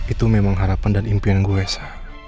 itu memang harapan dan impian gue esa